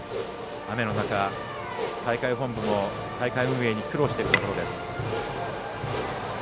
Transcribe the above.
雨の中、大会本部も大会運営に苦労しているところです。